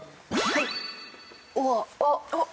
はい。